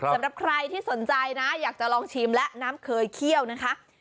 สำหรับใครที่สนใจนะอยากจะลองชิมและน้ำเคยเคี่ยวนะคะ